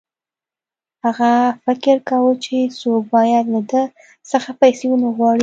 هغه فکر کاوه چې څوک باید له ده څخه پیسې ونه غواړي